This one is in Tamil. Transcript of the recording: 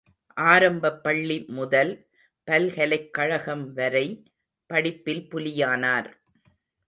ஆரம்பப்பள்ளி முதல் பல்கலைக்கழகம் வரை படிப்பில் புலியானார்!